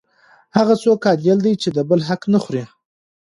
هغه څوک عادل دی چې د بل حق نه خوري.